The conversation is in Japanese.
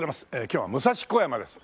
今日は武蔵小山です。